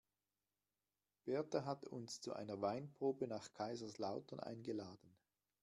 Berta hat uns zu einer Weinprobe nach Kaiserslautern eingeladen.